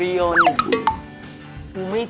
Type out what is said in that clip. เริ่มพี่หอย